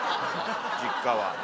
実家は。